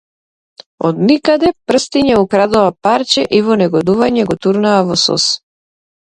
Од никаде прстиња украдоа парче и во негодување го турнаа во сос.